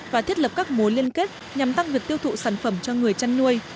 và thiết lập các mối liên kết nhằm tăng việc tiêu thụ sản phẩm cho người chăn nuôi